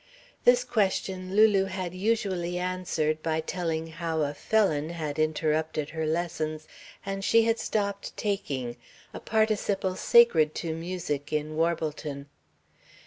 This question Lulu had usually answered by telling how a felon had interrupted her lessons and she had stopped "taking" a participle sacred to music, in Warbleton.